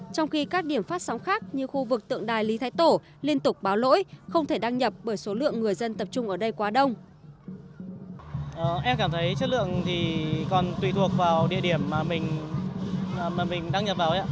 trong khi các điểm phát sóng khác như khu vực tượng đài lý thái tổ liên tục báo lỗi không thể đăng nhập bởi số lượng người dân tập trung ở đây quá đông